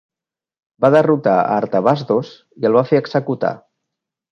Va derrotar a Artabasdos i el va fer executar.